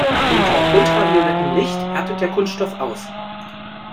Unter ultraviolettem Licht härtet der Kunststoff aus.